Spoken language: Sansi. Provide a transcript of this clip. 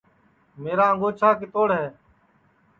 میرا انگوچھا کِتوڑ ہے